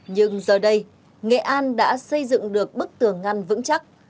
nhưng giờ đây nghệ an đã xây dựng được bức tường ngăn vững chắc